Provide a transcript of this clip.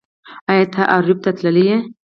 ایا ته اریوب ته تللی یې